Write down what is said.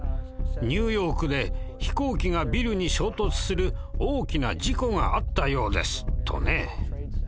「ニューヨークで飛行機がビルに衝突する大きな事故があったようです」とね。